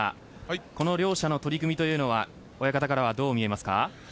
この両者の取組というのは親方からはどう見ますか？